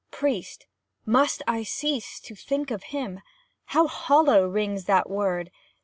Priest MUST I cease to think of him? How hollow rings that word!